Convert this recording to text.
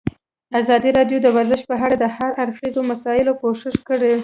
ازادي راډیو د ورزش په اړه د هر اړخیزو مسایلو پوښښ کړی.